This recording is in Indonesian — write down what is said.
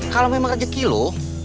kalau memang rejeki lu